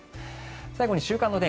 最後に週間予報